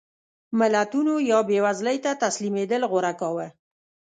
ملتونو یا بېوزلۍ ته تسلیمېدل غوره کاوه.